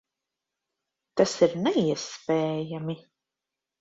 Tas ir neiespējami!